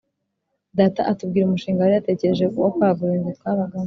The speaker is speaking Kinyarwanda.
data atubwira umushinga yari yatekereje wo kwagura inzu twabagamo.